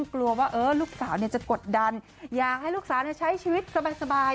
กลัวว่าลูกสาวจะกดดันอยากให้ลูกสาวใช้ชีวิตสบาย